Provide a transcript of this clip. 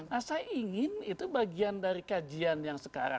nah saya ingin itu bagian dari kajian yang sekarang